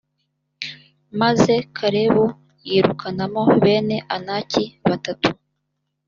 maze kalebu yirukanamo bene anaki batatu